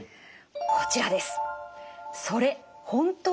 こちらです。